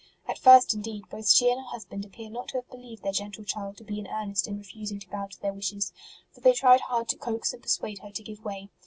At first, indeed, both she and her husband appear not to have believed their gentle child to be in earnest in refusing to bow to their wishes, for they tried hard to coax and persuade her to give way.